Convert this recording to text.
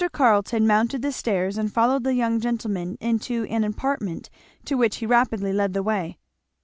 Carleton mounted the stairs and followed the young gentleman into an apartment to which he rapidly led the way.